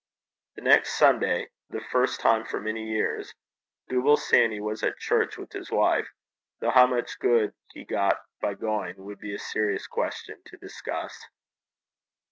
The next Sunday, the first time for many years, Dooble Sanny was at church with his wife, though how much good he got by going would be a serious question to discuss.